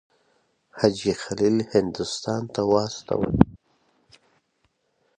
حاجي خلیل هندوستان ته واستوي.